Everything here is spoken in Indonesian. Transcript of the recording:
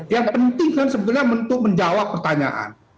yang penting kan sebenarnya untuk menjawab pertanyaan